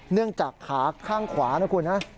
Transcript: เนื่องจากขาข้างขวานะคุณนะ